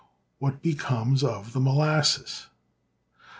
What becomes of the molasses